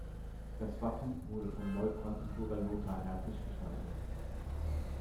Das Wappen wurde vom Neubrandenburger Lothar Herpich gestaltet.